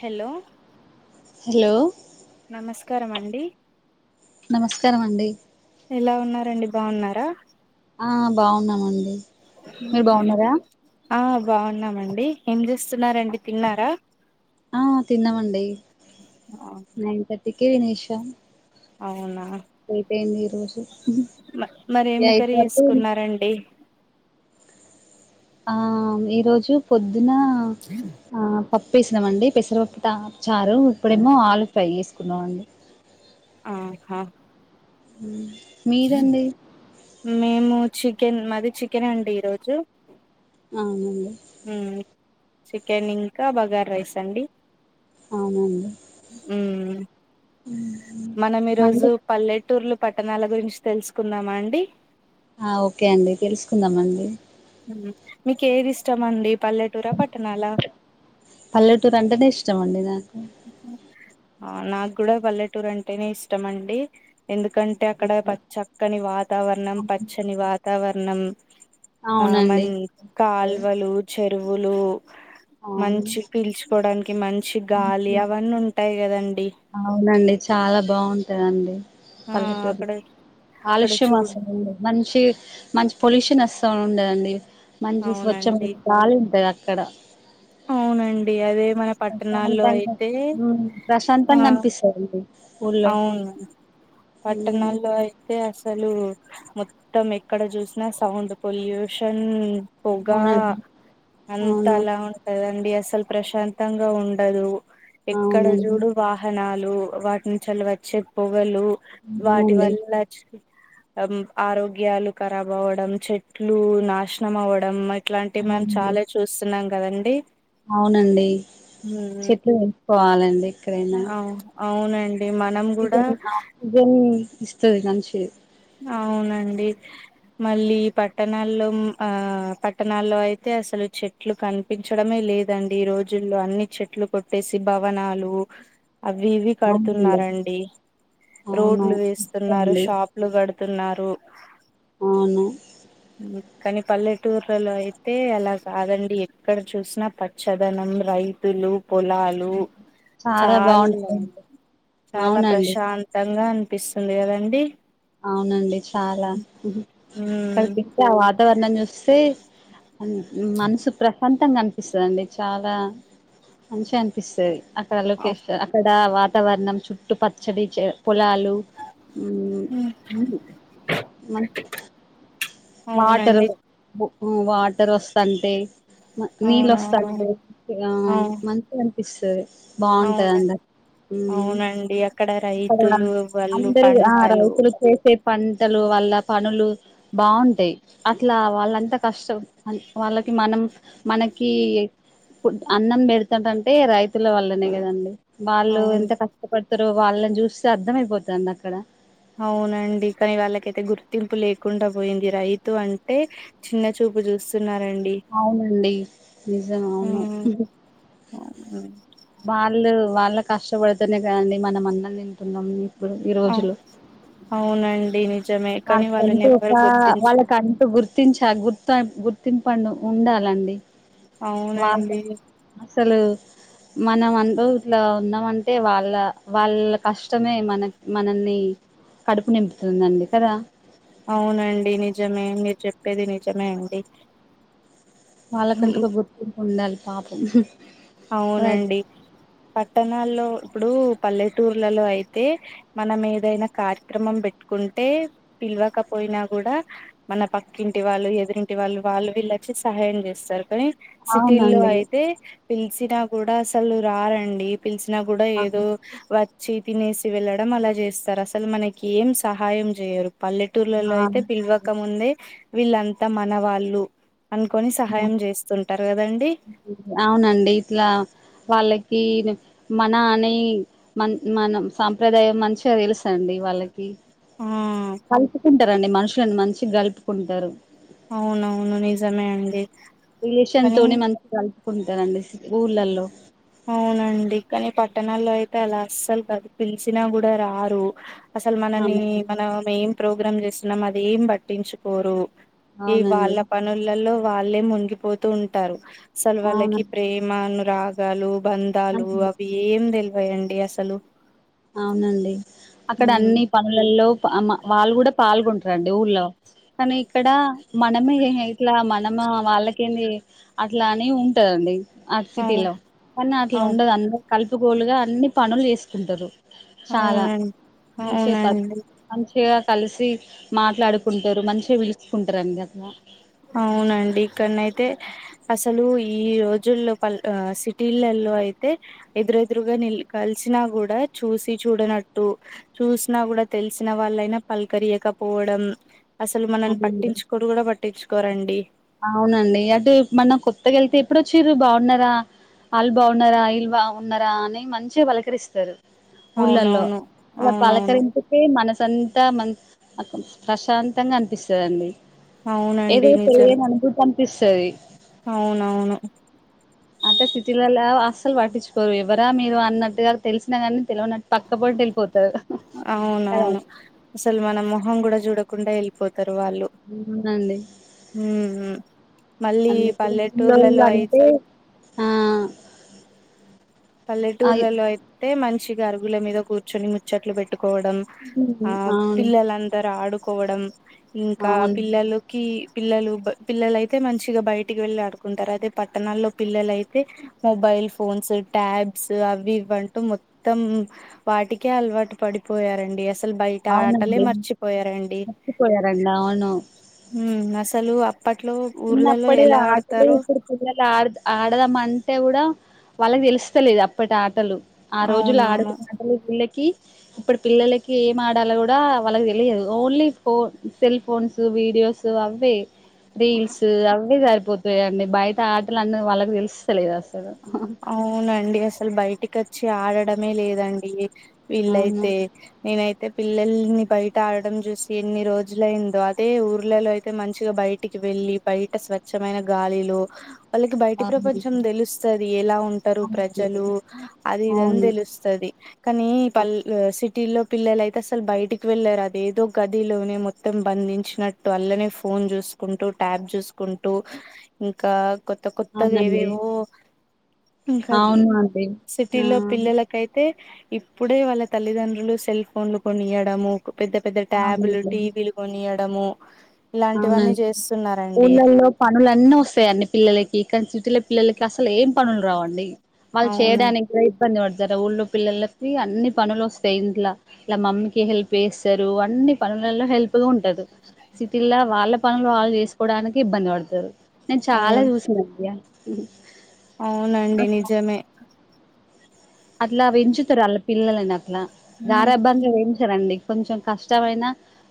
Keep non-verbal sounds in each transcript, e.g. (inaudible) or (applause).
Hello hello నమస్కారమండి నమస్కారం అండి ఎలా ఉన్నారండి బాగున్నారా ఆ బాగున్నామండి మీరు బాగున్నారా ఆ బాగున్నామండి ఏం చేస్ స్తున్నారండి తిన్నారా ఆ తిన్నామండి ఆ కే తినేష అవునా మ మరేం ఎయిట్ కరి వరకు చేసుకున్నారండి ఆ ఈరోజు పొద్దున ఆ పప్పేసినామండి పెసరపప్పు చారు ఇప్పుడేమో ఆలు ఫ్రై చేసుకున్నామండి ఆహా మ్ మేము చికెన్ మాది చికెన్ అండి ఈరోజు అ చికెన్ ఇంకా బగార్ రైస్ అండి అవునండి ఊ మనం మళ్ళీ ఈరోజు పల్లెటూర్లు పట్టణాల గురించి తెలుసుకుందామా అండి ఆ ఓకే అండి తెలుసుకుందమ్ అండి మీకు ఏది ఇష్టం అండి పల్లెటూరా పట్టణాల పల్లెటూరు అంటేనే ఇష్టం అండి నాకు నాకు కూడా పల్లెటూరు అంటేనే ఇష్టమండి ఎందుకంటే అక్కడ ప చక్కని వాతావరణం పచ్చని వాతావరణం ఆ మన అవునండి కాల్వలు చెరువులు మంచి అవును పీల్చుకోవడానికి మంచి గాలి అవన్నీ ఉంటాయి కదండి అవునండి చాలా బాగుంటాందండి ఆ పల్లెటూరులో అక్కడ అక్కడ కాలుష్యం చూడ్ వస్తుందండి మంచి మంచి పొల్యూషన్ వస్తు సౌండ్ ఉండదండి మంచి అవునండి స్వచ్ఛమ గల ఉంటది అక్కడ అవునండి అదే మన పట్టణాల్లో ప్రశాంతంగా అయితే ఉమ్ ఆ ప్రశాంతంగా అనిపిస్తదండి ఊళ్ళో అవును ఉమ్ పట్టణాల్లో అయితే అసలు మొత్తం ఎక్కడ చూసినా సౌండ్ పొల్యూషన్ పొగ అవునండి అంతా అవును అలా ఉంటదండి అసలు ప్రశాంతంగా ఉండదు ఎక్కడ అవునండి చూడు వాహనాలు వాటి నుచలి వచ్చే పొగలు వాటి అవునండి వల్ల ఆరోగ్యాలు కరబ్ అవడం చెట్లు నాశనం అవడం ఇట్లాంటివి మనం అవునండి చాలా చూస్తున్నాం కదండి అవునండి ఉమ్, చెట్లు వేసుకోవాలండి ఎక్కడైనా అవు అవునండి మనం కూడా జన్ ఆక్సిజన్ ఇస్తుది మంచి అవునండి మళ్ళీ పట్టణాల్లో ఆ పట్టణాల్లో అయితే అతే అసలు చెట్లు కనిపించడమే లేదండి రోజుల్లో అన్ని చెట్లు కొట్టేసి భవనాలు అవి ఇవి అవునండి కడుతున్నారండి అవును రోడ్లు వేస్తున్నారు ఇస్తదండి. షాప్ డుతున్నారు అవును కానీ పల్లెటూర్లలో అయితే అలా కాదండి ఎక్కడ చూసినా పచ్చదనం రైతులు పొలాలు చాలా చాలా అవునండి ప్రశాంతంగా అనిపిస్తుంది కదండి అవునండి చాలా అక్కడి ఉమ్ తిస్తే ఆ వాతావరణం చూస్తే మనసు ప్రశాంతంగా అనిపిస్తుందిండి చాలా మంచిగా అనిపిస్తుంది అక్కడ లోకే అక్కడ వాతావరణం చుట్టు పచ్చడి పొలాలు మ వాటరు అవునండి వాటర్ వస్తంటే నీళ్ళు అవునవును వస్తాంటే అవు మంచి అ ఇస్త బాగుంటాయి అవును అంద అవునండి అక్కడ అక్క రైతులు వాళ్ళు అందరు ఆ పంటలు రైతులు చేసే పంటలు వాళ్ళ పనులు బాగుంటాయి అట్లా వాళ్ళంత కష్టం వాళ్ళకి మనం మనకి ప్పు అన్నం పెడతుాంటంటే రైతుల వాళ్లనే కదండి వాళ్ళు అవును ఎంత కష్టపడుతారు వాళ్ళని చూస్తే అర్థమయిపోతడి అక్కడ అవునండి కానీ వాళ్ళకైతే గుర్తింపు లేకుండా పోయింది రైతు అంటే చిన్న చూపు చూస్తు అవునండి నిజము అవును ఉ ఉమ్ వాళ్ళు వాళ్ళ కష్టపడుతేనే కదండి మనం అన్నం తింటున్నాం ఇప్పుడు ఈ ఆ రోజులో అవునండి నిజ వాళ్ళకంటూ ఒక వాళ్ళకంటూ గుర్తించలి గుర్తు గుర్తు తిం పండు ఉండాలండి వాళ్ళకు అవునండి అసలు మనం అంటూ ఇట్లా ఉన్నాంమంటే వాళ్ళ వాళ్ళ కష్టమే మన మనల్ని కి కడుపు నింపుతుందండి కదా అవునండి నిజమే మీరు చెప్పేది నిజమే అండి ఉమ్, వాళ్ళకంటూ ఒక గుర్తింపు ఉండాలి పాపం రైట్ అవునండి పట్టణాల్లో ఇప్పుడు పల్లెటూర్లలో అయితే మనం ఏదైనా కార్యక్రమం పెట్టుకుంటే పిలవకపోయినా కూడా మన పక్కింటి వాళ్ళు ఎదురింటి వాళ్ళు వాళ్ళు వీళ్ళొచ్చి సహాయం చేస్తారు కానీ సిటీల్లో అవునండి అయితే పిలిచినా కూడా అసలు రారండి పిలిసినా కూడా ఏదో అవును. వత్ వచ్చి తినేసి వెళ్ళడం అలా చేస్తారు అసలు మనకి ఏం సహాయం చేయరు పల్లెటూర్లలో ఆ! అయితే పిలవకముందే వీళ్ళంతా మనవాళ్ళు అనుకొని సహాయం చేస్తుంటారు కదండి అవునండి ఇట్లా వాళ్ళకి మన అనే మన్ మనం సాంప్రదాయం మంచిగా తెలుసది అండి వాళ్ళకి ఆ కలుపుకుంటారండి మనుషులని మంచిగా కలుపుకుంటారు అవునువును నిజమే అండి రిలేషన్ కానీ తోని మంచిగా కలుపుకుంటారండి సి ఊర్లల్లో అవునండి కానీ పట్టణాల్లో అయితే అలా అస్సలు కాదు పిలిచినా కూడా రారు అసలు మనని అవును మనం ఏం ప్రోగ్రామ్ చేస్తున్నాం అది ఏం పట్టించుకోరు ఈ అవునండి వాళ్ళ పనుల్లలో వాళ్ళే మునిగిపోతూ ఉంటారు అసలు అవును వాళ్ళకి ప్రేమనురాగాలు బంధాలు అవి ఏం తెలు ఏ వండి అసలు అవునండి అక్కడ అవును అన్ని పనులల్లో ఆ మా వాళ్ళు కూడా పాల్గొంటారండి ఊళ్లో కానీ ఇక్కడ మనమే ఇట్లా మన మా వాళ్ళకు ఏంది అట్లా అని ఉంటదండి ఆ అవు సిటీలో కానీ అట్లా అవు ఉండదు అందరు కలుపుకోలుగా అన్ని పనులు ఏసుకుంటారు చాలా అవునండి పిచే పద్ అవునండి మంచిగా కలిసి మాట్లాడుకుంటారు మంచిగా విలుచకుంటారనీ గట్లా అవునండి ఇక్కడనైతే అసలు ఈ రోజుల్లో పల్ సిటీలలో లు అయితే ఎదురుదురుగా నిల్ కలిసిన కూడా చూసి చూడనట్టు చూసిన కూడా తెలిసిన వాళ్ళైనా పలకరియకపోవడం అసలు మనల్ని అవునండి పట్టించుకోరు కూడా పట్టించుకోరండి అవునండి అటు మన కొత్తగా అయితే ఎప్పుడు వచ్చిర్రు బాగున్నారా? అల్ బాగున్నారా ఇల్ బాగా ఉన్నారా? అని మంచిగా పలకరిస్తారు ఊళ్ళల్లో అవునవును అలా అవునవును పలకరింపుకే మనసు అంతా మ (unintelligible) ప్రశాంతంగా అనిపిస్తుందండి అవునండి నిజమే పంపిస్తది అవునవును వ అస్సలు పట్టించుకోరు ఎవరా మీరు అన్నట్టుగా తెలిసినా కాగానీ తెలినట్టు పక్కపోడి వెళ్ళిపోతారు కదా అవునవును అసలు మన మొహం కూడా చూడకుండా వెళ్ళిపోత్ తరు వళ్ళు అవునండి ఉహు మళ్ళీ అందుకే ఊళ్ళోళ్ళు పల్లెటూర్లలో అయి అంటే ఆ అయి పల్లెటూర్లలో అయితే మంచి గ అరుగుల మీద కూర్చొని ముచ్చట్లు పెట్టుకోవడం ఆ హ్మ్. అవును పిల్లలందర ఆడుకోవడం ఇంకా అవును పిల్లకి పిల్లలు బ పిల్లలయితే మంచిగా బయటికి వెళ్లి ఆడుకుంటారు అదే పట్టణాల్లో పిల్లలయితే మొబైల్ ఎల్ ఫోన్స్ ట్యాబ్స్ అవి ఇవి అంటూ మొత్తం వాటికే అలవాటు పడిపోయారండి అస్ అసలు బయట ఆటలే అవునండి. మర్చిపోయారండి మర్చిపోయారండి. అవును. ఉ అసలు అప్ చిన్నప్పుడే ఆటలు ఇప్పుడు పిల్లలు ఆడ ఆడదాం అంటే కూడా వాళ్ళకి తెలుస్తలేదు అప్పటి ఆటలు ఆ రోజులు అవునవును ఆడుకున్న ఆటలు వీళ్ళకి ఇప్పుడు పిల్లలకి ఏం ఆడాలో కూడా వాళ్ళకి తెలియదు ఓన్లీ ఫో సెల్ ఫోన్స్ వీడియో యోస్ అవ్వే రీల్స్ అవే సరిపోతాయిండి బయట ఆటలు అన్నది వాళ్ళకి తెలుస్తలేదా అస్ అవునండి అసలు బయటికి వచ్చి ఆడడమే లేదండి విల్ అవును. అయితే నేనైతే పిల్లల్ని బయట ఆడడం చూసి ఎన్ని రోజులైందో అదే ఊర్లలో అయితే మంచిగా బయటికి వెళ్ లి బయట స్వమైన గాలిలు వాళ్ళకి బయటి అవునండి. ప్రపంచం తెలుస్ ఎలా ఉంటారు ప్రజలు అవును. అది ఇది అని అవును. తెలుస్తుంది కానీ పల్ ఆ సిట్ టిల్లో పిల్లల అయితే అసలు బయటికి వెళ్లారు అది ఏదో గదిలోనే మొత్తం బంధించినట్టు అల్లనే ఫోన్ ఫోన్ చూసుకుంటూ ట్యాబ్ చూసుకుంటూ ఇంకా కొత్త కొత్తగా అవునండి. ఏవేవో ఇంకా అన్ అవును అండి. సిటీ ఆ! లో పిల్లలకైతే ఇప్పుడే వాళ్ళ తల్లిదండ్రులు సెల్ ఫోన్లు కొనియడము కో పెద్ద పెద్ద ట్యాబులు అవునండి. టీవీలు కొనియడము ఇలాంటివన్నీ అవునండి చేస్తున్నారండి ఊళ్ళలో పనులున్నీ వస్తాయి అన్నీ పిల్లలకి కానీ స్టిల పిల్లలకి అసలు ఏం పనులు రావండి వాళ్ళు అవును చేయడానికి ప్రయత్ ఇబ్బంది పడతారు ఊళ్ళో పిల్లలకి అన్ని పనులు వస్తాయి ఇంట్లా ఇలా మమ్మీకి హెల్ప్ చేస్తారు అన్ అన్ని పనులల్లో హెల్ప్ గా ఉండదు సిట్ టిల్లా వాళ్ళ పనులు వాళ్ళు చేసుకోవడానికి ఇబ్బంది పడతారు నేను చాలా అవును చూసిన అయ్యా ఉ అవునండి నిజమే అట్లా పెంచుతారు వాళ్ళ పిల్లలని అట్లా దారాభంగా వేయించరండి కొంచెం కష్టమైన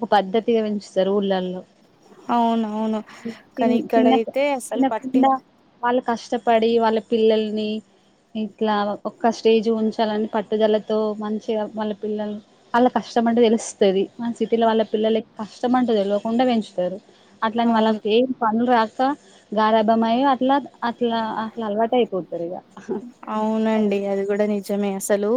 ఒక పద్ధతిగా పెంచుతారు ఊళ్ళల్లో అవునవును తిన్ కానీ తిన్ తిన్కా ఇక్కడైతే అసలు తినకుండా పట్టించు వాళ్ల కష్టపడి వాళ్ళ పిల్లల్ని ఇట్లా ఒక అప్ ఒక స్టేజ్ ఉంచాలని పట్టుదలతో మంచిగా వాళ్ళ పిల్లలు వాళ్ళ కష్టం అంటే తెలుస్తాది మన సిటీలో వాళ్ళ పిల్లల కి కష్టమంటే తెలవకుండా పెంచుతారు అట్లాంటి అవును వాళ్ళకి ఏం పనులు రాక క గారాభమై అట్లా అట్లా అట్లా అలవటు అయిపోతారు ఇగ డి అది కూడా నిజమే అసలు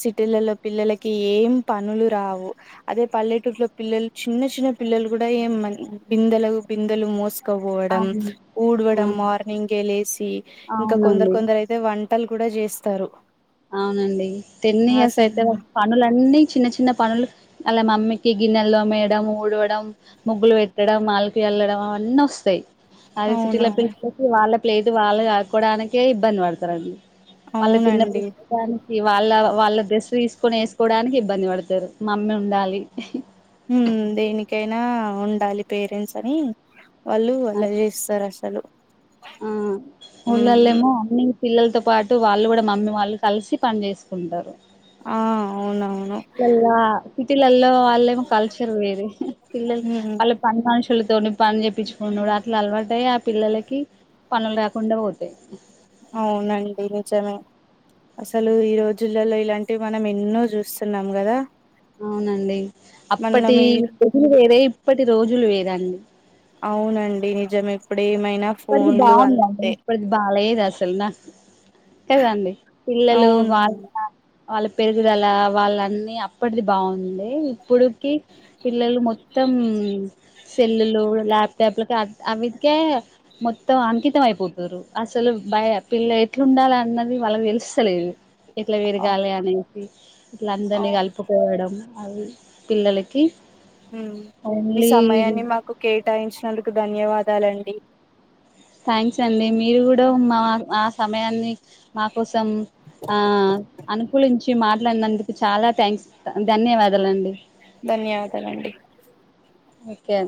సిటీలలో పిల్లలకి ఏం పనులు రావు అదే పల్లెటూరులో పిల్లలు చిన్న చిన్న చిన్న పిల్లలు కూడా ఏం మాన్ బిందలు బిందలు మోసి క పోవడం అవును ఉడవడం మార్నింగ్ ఏ లేసి ఇంకా కొందరు అవునండి కొందరైతే వయ్ వంటలు కూడా చేస్తారు అవునండి తెన్ని అస అసలు అయితే పనులన్నీ చిన్న చిన్న పనులు వాళ్ల మమ్మీకి గిన్నెలు తోమేయడం ఊడవడం ముగ్గులు పెట్టడం మాల్కు వెళ్ళడం అవన్నీ వస్తాయి అదే సిటీల పిల్ల అవునవును (unintelligible) వాళ్ళ ప్లేదు వాళ్ళు ఆక్కకోవడానికే ఇబ్బంది పడతారండి అవునండి దానికి వాళ్ళ వాళ్ళ డ్రెస్సు తీసుకొని వేసుకోవడానికి ఇబ్బంది పడతారు మమ్మీ ఉండాలి ఉం దేనికైనా ఉండాలి పేరెంట్స్ అని వాళ్ళు అ అలా చేస్తారు అసలు ఆ ఉమ్ ఉమ్. ఊళ్ళళేమో నీ పిల్లలతో పాటు వాళ్ళు కూడా మమ్మీ వాళ్ళు కలిసి పని చేేసుకుంటారు ఆ అవునవును లలా సిటీలల్లో వాళ్ళ ఏమో కల్చర్ వేరే పిల్లలు వాళ్ళ ఉమ్ పని మనుషులతో పని చేప్పిచ్చికునుడు అట్లా అలవాటయి ఆ పిల్లలకి పనులు రాకుండా పోతాయి అవునండి నిజమే అసలు ఈ రోజులలో ఇలాంటివి మనం ఎన్నో చూస్తున్నాం కదా అవునండి మన్న అప్పటి మీరు రోజులు వేరే ఇప్పటి రోజులు వేరండి అవునండి నిజమే అప్పటిది బాగుందంట ఇప్పుటది బాగాలే అసలు నా కదండి పిల్లలు అవును వాళ్ళ వాళ్ళ పెరుగుదల వాళ్ళన్ని అప్పటిది బాగుంది ఇప్పుడుకి పిల్లలు మొత్తం మొత్తం సెల్లులు ల్యాప్టాప్ల కే అవి కే మొత్తం అంకితం అయిపోతారు అసలు భయ పిల్ల ఎట్లుండాలి అన్నది వాళ్ళకి తెలుస్తలేదు ఇట్లా అవు పేరగాలి అనేసి ఇట్ల అందరినీ అవును కలుపుకోవడం అవి పిల్లలకి ఉం మీ ఓన్లీ సమయాన్ని మాకు కేటాయించినందుకు ధన్యవాదాలండి థ్యాంక్స్ అండి మీరు కూడా మా ఆ సమయాన్ని మాకు కోసం ఆ అనుకూలించ మాట్లాడినందుకు చాలా థ్యాంక్స్ ధన్యవాదాల అండి ధన్యవాదాలండి ఓకే